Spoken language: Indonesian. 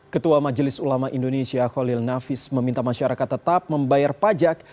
ketua majelis ulama indonesia holil nafis meminta masyarakat tetap membayar pajak